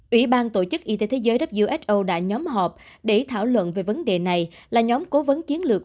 ủy ban tổ chức y tế thế giới who đã nhóm họp để thảo luận về vấn đề này là nhóm cố vấn chiến lược